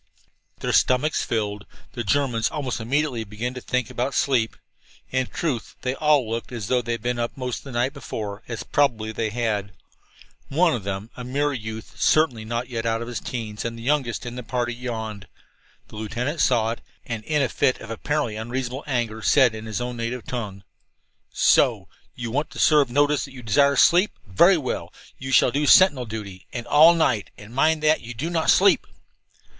Their stomachs filled, the Germans almost immediately began to think about sleep. In truth, they all looked as though they had been up all of the night before, as probably they had. One of them, a mere youth certainly not yet out of his teens and the youngest in the party, yawned. The lieutenant saw it, and in a fit of apparently unreasonable anger said, in his native tongue: "So! You want to serve notice that you desire to sleep? Very well, you shall do sentinel duty and all night. And mind that you do not sleep!"